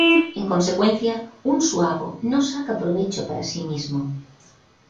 En consecuencia, un suabo no saca provecho para sí mismo.